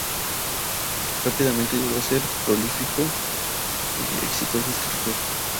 Rápidamente llegó a ser un prolífico y exitoso escritor.